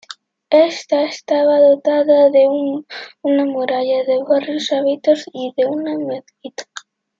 Ésta estaba dotada de una muralla, de barrios habitados y de una mezquita.